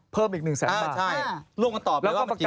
เป็นการตอบอย่างเงี้ย